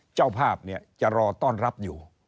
เจ้าภาพจะรอต้อนรับอยู่